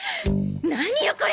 何よこれ！